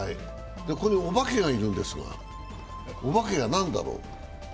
ここにお化けがいるんですが、お化けは何だろう。